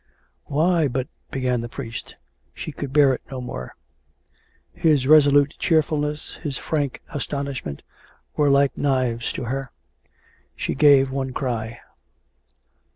" Why, but " began the priest. She could bear it no more. His resolute cheerfulness, his frank astonishment, were like knives to her. She gave one cry.